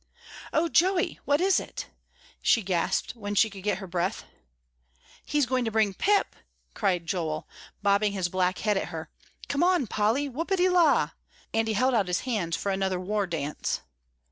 "Oh, Joey, what is it?" she gasped when she could get her breath. "He's going to bring Pip," cried Joel, bobbing his black head at her. "Come on, Polly, whoopity la!" and he held out his hands for another war dance.